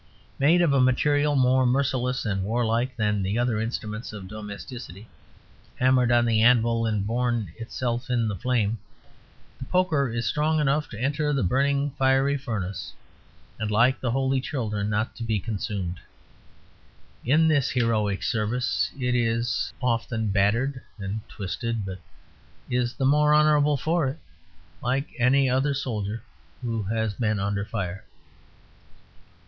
Made of a material more merciless and warlike than the other instruments of domesticity, hammered on the anvil and born itself in the flame, the poker is strong enough to enter the burning fiery furnace, and, like the holy children, not be consumed. In this heroic service it is often battered and twisted, but is the more honourable for it, like any other soldier who has been under fire.